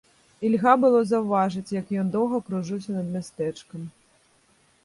І льга было заўважыць, як ён доўга кружыўся над мястэчкам.